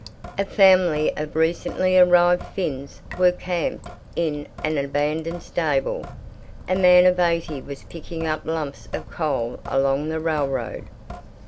A family of recently arrived Finns were camped in an abandoned stable. A man of eighty was picking up lumps of coal along the railroad.